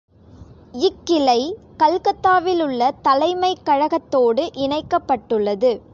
இக்கிளை, கல்கத்தாவிலுள்ள தலைமைக் கழகத்தோடு இணைக்கப்பட்டுள்ளது.